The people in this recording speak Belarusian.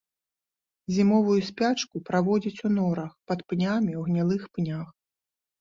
Зімовую спячку праводзіць у норах, пад пнямі, у гнілых пнях.